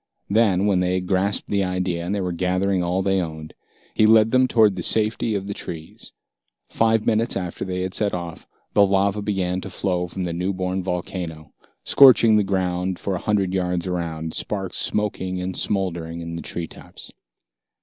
Then, when they had grasped the idea and were gathering all they owned, he led them toward the safety of the trees. Five minutes after they had set off, the lava began to flow from the new born volcano, scorching the ground for a hundred yards around, sparks smoking and smoldering in the treetops.